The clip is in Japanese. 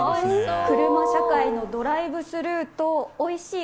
車社会のドライブスルーとおいしい。